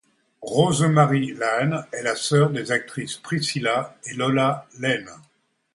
Rosemary Lane est la sœur des actrices Priscilla et Lola Lane.